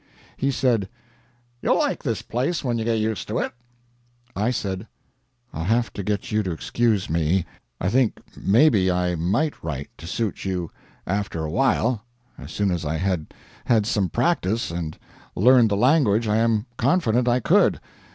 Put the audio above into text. He said, "You'll like this place when you get used to it." I said, "I'll have to get you to excuse me; I think maybe I might write to suit you after a while; as soon as I had had some practice and learned the language I am confident I could.